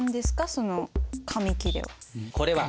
その紙切れは。